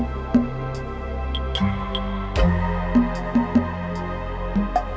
mereka minta kita berpanggilnya